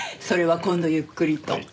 それは今度ゆっくりと。